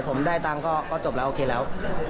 ผมได้ตังค์ก็จบแล้วโอเคแล้ว